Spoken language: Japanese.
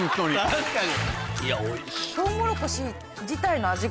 確かに。